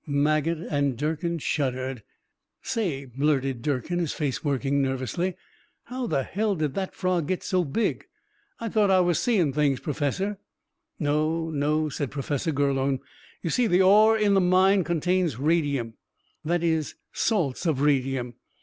Maget and Durkin shuddered. "Say," blurted Durkin, his face working nervously, "how the hell did that frog get so big? I thought I was seein' things, Professor." "No, no," said Professor Gurlone. "You see, the ore in the mine contains radium, that is, salts of radium.